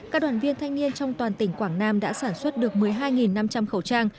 các đoàn viên thanh niên trong toàn tỉnh quảng nam đã sản xuất được một mươi hai năm trăm linh khẩu trang